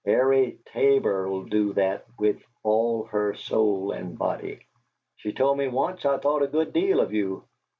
Airie Tabor 'll do that with all her soul and body. She told me once I thought a good deal of you.